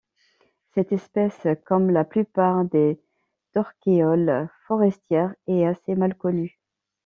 Cette espèce, comme la plupart des torquéoles forestières, est assez mal connue.